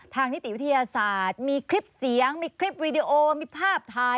นิติวิทยาศาสตร์มีคลิปเสียงมีคลิปวีดีโอมีภาพถ่าย